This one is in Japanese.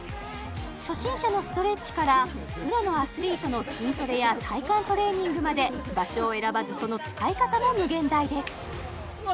初心者のストレッチからプロのアスリートの筋トレや体幹トレーニングまで場所を選ばずその使い方も無限大ですうわ